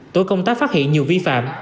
tổ công tác phát hiện nhiều vi phạm